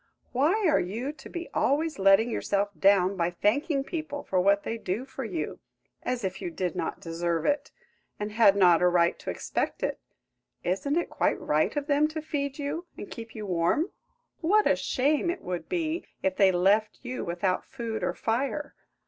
Why are you to be always letting yourself down by thanking people for what they do for you, as if you did not deserve it, and had not a right to expect it? Isn't it quite right of them to feed you and keep you warm? What a shame it would be if they left you without food or fire!